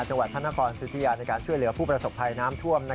จังหวัดพระนครสิทธิยาในการช่วยเหลือผู้ประสบภัยน้ำท่วม